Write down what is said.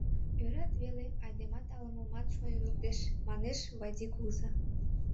— Ӧрат веле, айдемат ала-момат шонен луктеш, — манеш Вайди кугыза.